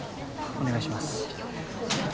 お願いします。